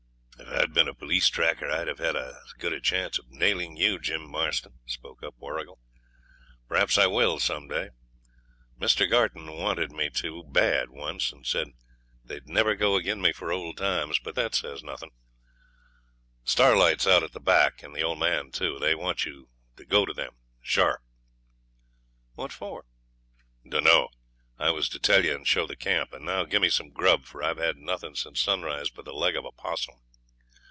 'If I'd been a police tracker I'd have had as good a chance of nailing you, Jim Marston,' spoke up Warrigal. 'Perhaps I will some day. Mr. Garton wanted me bad once, and said they'd never go agin me for old times. But that says nothin'. Starlight's out at the back and the old man, too. They want you to go to them sharp.' 'What for?' 'Dunno. I was to tell you, and show the camp; and now gimme some grub, for I've had nothing since sunrise but the leg of a 'possum.'